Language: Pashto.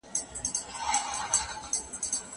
هیڅوک باید دا خبري رد نه کړي.